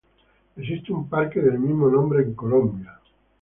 Existe un parque del mismo nombre en Colombia.